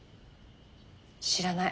知らない。